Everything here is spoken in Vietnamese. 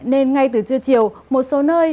nên ngay từ trưa chiều một số nơi